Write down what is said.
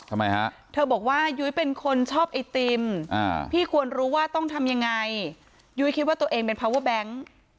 ทำไมฮะเธอบอกว่ายุ้ยเป็นคนชอบไอติมพี่ควรรู้ว่าต้องทำยังไงยุ้ยคิดว่าตัวเองเป็นพาวเวอร์แบงค์